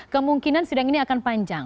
kemungkinan sidang ini akan panjang